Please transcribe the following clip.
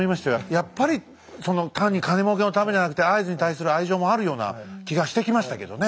やっぱりその単に金もうけのためじゃなくて会津に対する愛情もあるような気がしてきましたけどね。